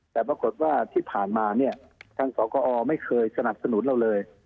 แต่ปรากฏว่าที่ผ่านมาเนี่ยทางสกอไม่เคยสนับสนุนเราเลย